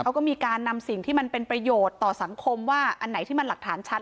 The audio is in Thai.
เขาก็มีการนำสิ่งที่มันเป็นประโยชน์ต่อสังคมว่าอันไหนที่มันหลักฐานชัด